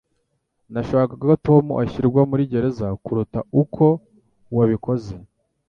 Nashakaga ko Tom ashyirwa muri gereza kuruta uko wabikoze.